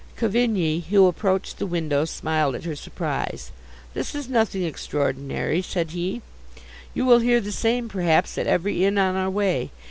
Cavigni, who approached the window, smiled at her surprise. "This is nothing extraordinary," said he, "you will hear the same, perhaps, at every inn on our way.